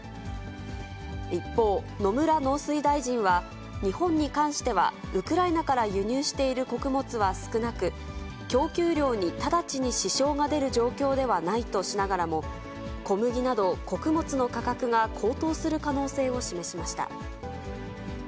一方、野村農水大臣は、日本に関してはウクライナから輸入している穀物は少なく、供給量に直ちに支障が出る状況ではないとしながらも、小麦など穀物の価格が高騰する可能性を示しました。